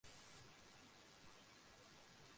কেন আমাকে এত কম আয়ু দেয়া হয়েছে?